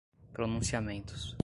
pronunciamentos